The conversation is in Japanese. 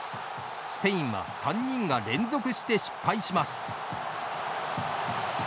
スペインは３人が連続して失敗します。